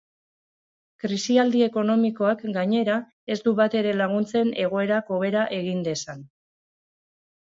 Krisialdi ekonomikoak, gainera, ez du batere laguntzen egoerak hobera egin dezan.